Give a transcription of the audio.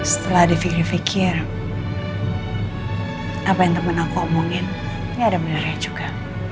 setelah difikir fikir apa yang temen aku omongin gak ada beneran juga